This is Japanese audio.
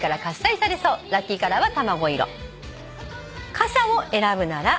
「傘を選ぶなら」